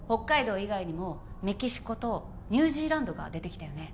以外にもメキシコとニュージーランドが出てきたよね